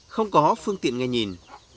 không có phương tiện nghe nhìn